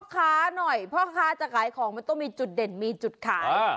หน่อยพ่อค้าจะขายของมันต้องมีจุดเด่นมีจุดขาย